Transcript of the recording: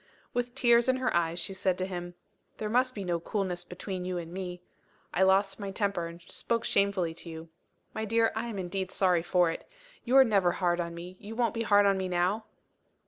With tears in her eyes she said to him: "There must be no coolness between you and me. I lost my temper, and spoke shamefully to you. My dear, I am indeed sorry for it. You are never hard on me you won't be hard on me now?"